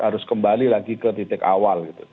harus kembali lagi ke titik awal